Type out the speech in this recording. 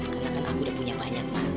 karena kan aku udah punya banyak ma